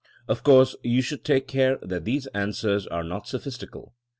Of course you should take care that these answers are not sophistical.